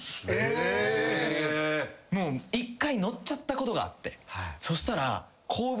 １回乗っちゃったことがあってそしたら。